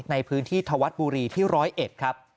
ในพื้นที่ธวัฒน์บุรีที่๑๐๑ครับ